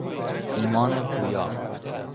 ایمان پویا